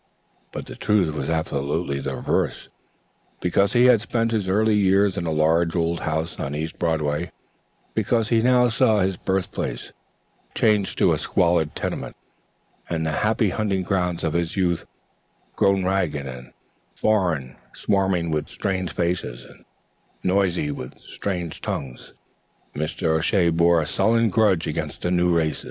The truth was absolutely the reverse. Because he had spent his early years in a large old house on East Broadway, because he now saw his birthplace changed to a squalid tenement, and the happy hunting grounds of his youth grown ragged and foreign swarming with strange faces and noisy with strange tongues Mr. O'Shea bore a sullen grudge against the usurping race.